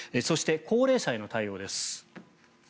そして、高齢者への対応です。